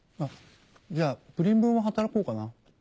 じゃあプリン分は働こうかな。